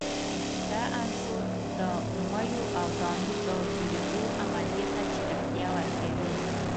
دا عنصر د میو او دانو د جوړیدو عملیې ته چټکتیا ورکوي.